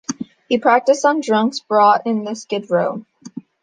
He practiced on drunks brought in from Skid Row.